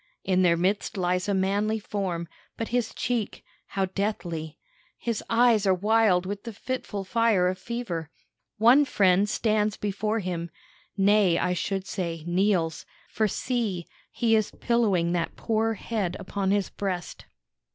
In their midst lies a manly form, but his cheek, how deathly! His eyes are wild with the fitful fire of fever. One friend stands before him nay, I should say, kneels; for see, he is pillowing that poor head upon his breast.